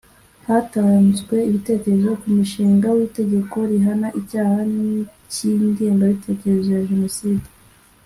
hatanzwe ibitekerezo ku mushinga w Itegeko rihana icyaha cy ingengabitekerezo ya Jenoside